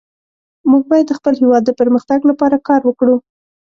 موږ باید د خپل هیواد د پرمختګ لپاره کار وکړو